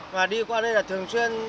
và đi qua đây là thường xuyên